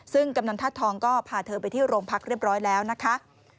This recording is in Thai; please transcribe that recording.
ซึ่งกำนันธาตุทองก็พาเธอไปที่โรงพักเรียบร้อยแล้วนะคะ